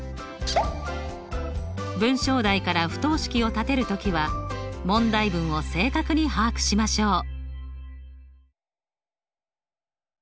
文章題から不等式を立てる時は問題文を正確に把握しましょう。